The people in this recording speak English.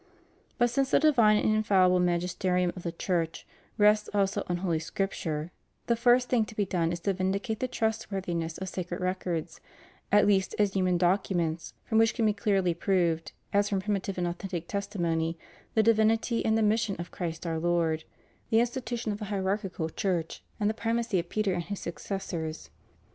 ^ But, since the divine and infallible magisterium of the Church rests also on Holy Scripture, the first thing to be done is to vindicate the trustworthiness of sacred records, at least as human docu ments from which can be clearly proved, as from primi tive and authentic testimony, the divinity and the mission of Christ our Lord, the institution of a hierarchical Church and the primacy of Peter and his successors.